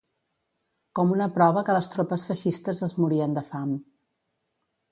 Com una prova que les tropes feixistes es morien de fam.